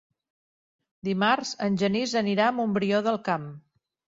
Dimarts en Genís anirà a Montbrió del Camp.